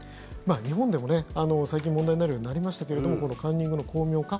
日本でも最近問題になるようになりましたけどカンニングの巧妙化。